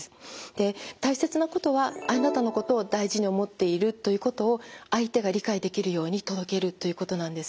で大切なことはあなたのことを大事に思っているということを相手が理解できるように届けるということなんですね。